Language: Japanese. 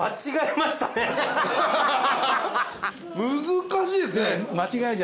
難しいっすね。